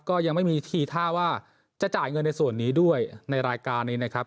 ก็ยังไม่มีทีท่าว่าจะจ่ายเงินในส่วนนี้ด้วยในรายการนี้นะครับ